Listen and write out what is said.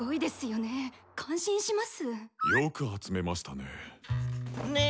よく集めましたね。ね